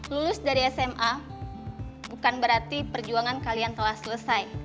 lulus dari sma bukan berarti perjuangan kalian telah selesai